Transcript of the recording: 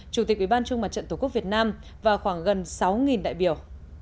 chủ tịch ủy ban trung mặt trận tổ quốc việt nam và khoảng gần sáu đại biểu